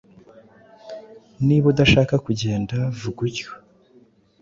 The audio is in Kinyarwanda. Niba udashaka kugenda, vuga utyo.